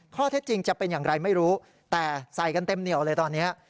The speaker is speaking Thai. ข้อเท็จจริงจะเป็นอย่างไรไม่รู้แต่ใส่กันเต็มเหนียวเลยตอนนี้